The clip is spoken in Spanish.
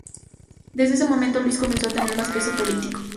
Desde ese momento Luis comenzó a tener más peso político.